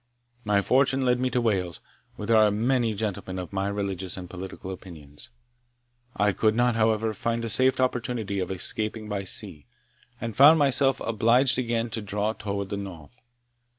My fortune led me to Wales, where there are many gentlemen of my religious and political opinions. I could not, however, find a safe opportunity of escaping by sea, and found myself obliged again to draw towards the North.